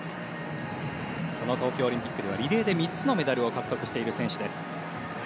東京オリンピックではリレーで３つのメダルを獲得している選手です。